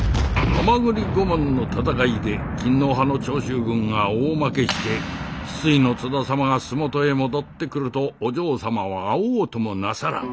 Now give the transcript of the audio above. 蛤御門の戦いで勤皇派の長州軍が大負けして失意の津田様が洲本へ戻ってくるとお嬢様は会おうともなさらん。